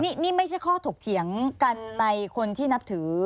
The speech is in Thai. นี่ไม่ใช่ข้อถกเถียงกันในคนที่นับถือ